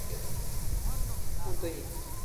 It adds a subtle layer of strategy to game play.